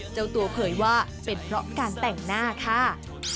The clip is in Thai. เจ้าตัวเผยว่าเป็นเพราะการแต่งหน้าค่ะ